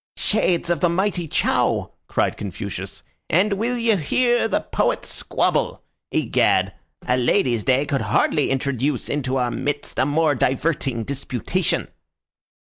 "Shades of the mighty Chow!" cried Confucius. "An' will ye hear the poets squabble! Egad! A ladies' day could hardly introduce into our midst a more diverting disputation."